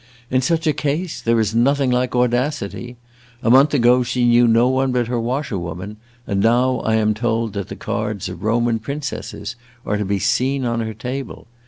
"In such a case there is nothing like audacity. A month ago she knew no one but her washerwoman, and now I am told that the cards of Roman princesses are to be seen on her table.